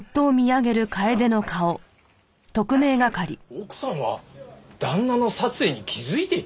奥さんは旦那の殺意に気づいていた？